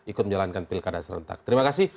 ikut menjalankan pilkada serentak terima kasih